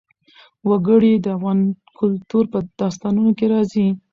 وګړي د افغان کلتور په داستانونو کې راځي.